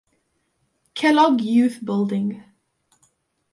Kellogg Youth Building.